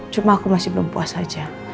cuma aku masih belum puas saja